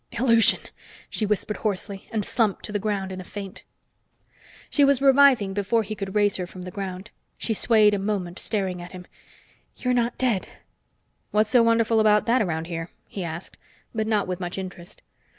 "Illusion!" she whispered hoarsely, and slumped to the ground in a faint. She was reviving before he could raise her from the ground. She swayed a moment, staring at him. "You're not dead!" "What's so wonderful about that around here?" he asked, but not with much interest.